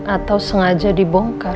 atau sengaja dibongkar